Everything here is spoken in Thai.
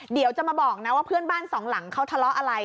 เดี๋ยวจะมาบอกนะว่าเพื่อนบ้านสองหลังเขาทะเลาะอะไร